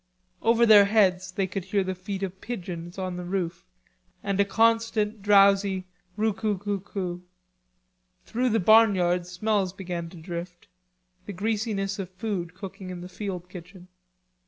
Over their heads they could hear the feet of pigeons on the roof, and a constant drowsy rou cou cou cou. Through the barnyard smells began to drift... the greasiness of food cooking in the field kitchen.